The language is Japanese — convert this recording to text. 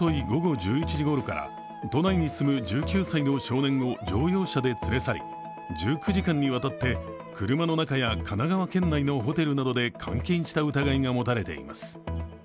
午後１１時ごろから都内に住む１９歳の少年を乗用車で連れ去り、１９時間にわたって車の中や神奈川県内のホテルなどで監禁した疑いが持たれています。